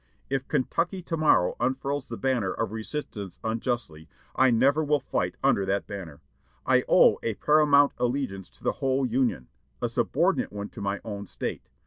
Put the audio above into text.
If Kentucky to morrow unfurls the banner of resistance unjustly, I never will fight under that banner. I owe a paramount allegiance to the whole Union, a subordinate one to my own State.